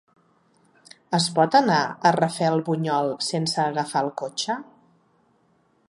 Es pot anar a Rafelbunyol sense agafar el cotxe?